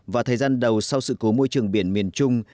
vào thời gian đầu sau sự cố môi trường biển miền trung